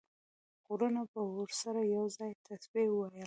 غرونو به ورسره یو ځای تسبیح ویله.